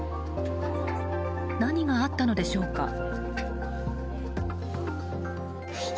何があったのでしょうか。